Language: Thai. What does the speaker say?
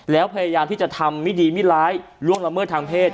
แล้วพยายามที่จะทำไม่ดีไม่ร้ายล่วงละเมิดทางเพศ